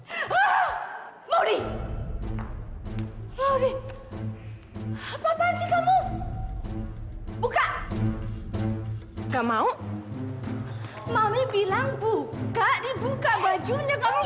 hai hai hai ah mau di review hai apaan sih kamu buka kamu mami bilang buka dibuka bajunya kamu